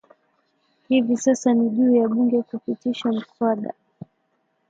Hivi sasa ni juu ya bunge kupitisha mswada